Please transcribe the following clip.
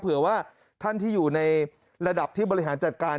เผื่อว่าท่านที่อยู่ในระดับที่บริหารจัดการ